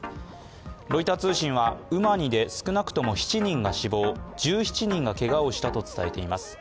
ロイター通信は、ウマニで少なくとも７人が死亡、１７人がけがをしたと伝えています。